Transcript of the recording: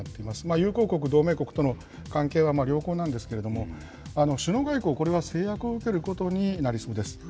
友好国、同盟国との関係は良好なんですけれども、首脳外交、これは制約を受けることになりそうです。